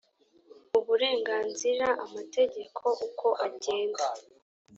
uburenganzira amategeko uko agenda